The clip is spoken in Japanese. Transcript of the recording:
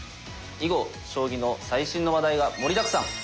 囲碁将棋の最新の話題が盛りだくさん。